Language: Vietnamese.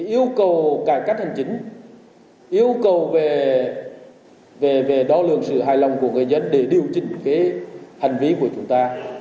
yêu cầu cải cách hành chính yêu cầu về đo lường sự hài lòng của người dân để điều chỉnh hành vi của chúng ta